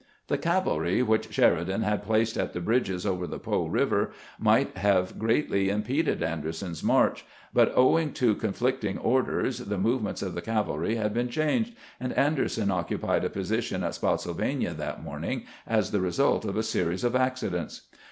The cavalry which Sheridan had placed at the bridges over the Po River might have greatly impeded Anderson's march ; but owing to conflicting orders the movements of the cavalry had been changed, and Anderson occu pied a position at Spottsylvania that morning as the result of a series of accidents.